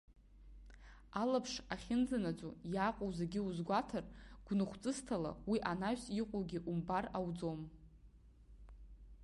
Алаԥш ахьынӡанаӡо иааҟоу зегьы узгәаҭар, гәныхәҵысҭала уи анаҩс иҟоугьы умбар ауӡом.